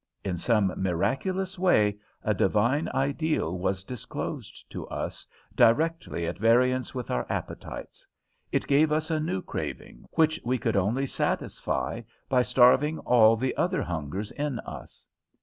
In some miraculous way a divine ideal was disclosed to us, directly at variance with our appetites. It gave us a new craving, which we could only satisfy by starving all the other hungers in us.